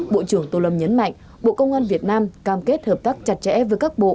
bộ trưởng tô lâm nhấn mạnh bộ công an việt nam cam kết hợp tác chặt chẽ với các bộ